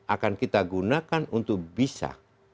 akan kita gunakan untuk bisa